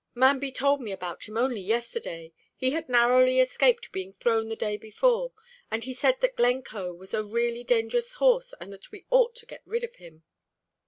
"Manby told me about him only yesterday. He had narrowly escaped being thrown the day before; and he said that Glencoe was a really dangerous horse, and that we ought to get rid of him."